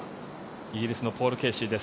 イギリスのポール・ケーシーです。